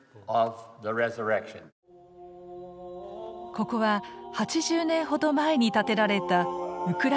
ここは８０年ほど前に建てられたウクライナ式の教会。